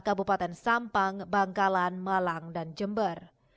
kabupaten sampang bangkalan malang dan jember